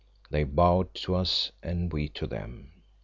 They bowed to us and we to them.